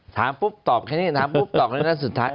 ถามปุ๊บตอบแค่นี้ถามปุ๊บตอบแล้วนะสุดท้าย